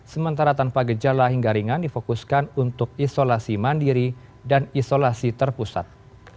sementara tanpa gejala hingga ringan difokuskan untuk isolasi mandiri dan isolasi terpusat